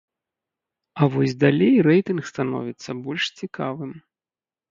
А вось далей рэйтынг становіцца больш цікавым.